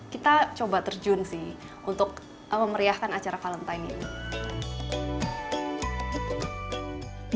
kita coba terjun sih untuk memeriahkan acara valentine ini